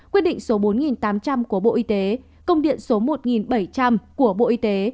quyết định số bốn nghìn tám trăm linh của bộ y tế công điện số một nghìn bảy trăm linh của bộ y tế